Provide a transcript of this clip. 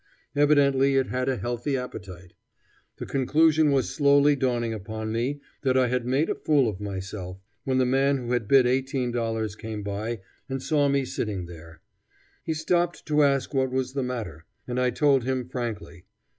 Evidently it had a healthy appetite. The conclusion was slowly dawning upon me that I had made a fool of myself, when the man who had bid $18 came by and saw me sitting there. He stopped to ask what was the matter, and I told him frankly.